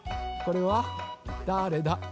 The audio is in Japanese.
これはだれだ？